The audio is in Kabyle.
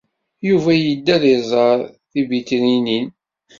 Yuba yedda ad d-iẓer tibitrinin.